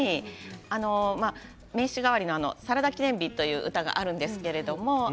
名刺代わりの「サラダ記念日」という歌があるんですけど